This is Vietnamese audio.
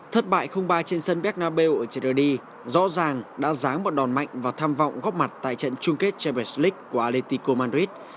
thất bại ba trên sân bernabeu ở trận lần đi rõ ràng đã ráng một đòn mạnh và tham vọng góp mặt tại trận chung kết champions league của atletico madrid